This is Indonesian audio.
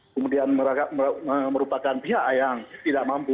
kemudian merupakan pihak yang tidak mampu